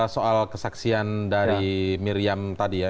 soal kesaksian dari miriam tadi ya